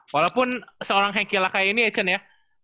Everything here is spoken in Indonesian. walaupun seorang yang kira kira kayak ini echen ya